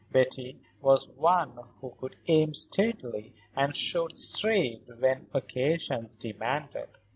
Betty was one who could aim steadily and shoot straight when occasion demanded.